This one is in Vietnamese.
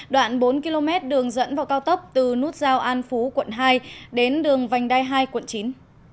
đoạn bốn km đường dẫn vào cao tốc từ nút giao an phú quận hai đến đường vành đai hai quận chín